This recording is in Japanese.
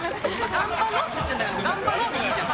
頑張ろうって言ってるんだから頑張ろうでいいじゃん。